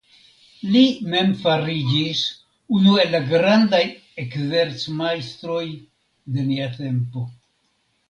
Li mem fariĝis unu el la grandaj ekzercmajstroj de nia tempo.